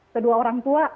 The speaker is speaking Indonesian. kedua orang tua